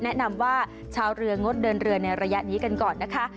แนะนำว่าชาวเรืองดเดินเรือในระยะนี้กันก่อนนะคะ